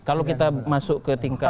kalau kita masuk ke tingkat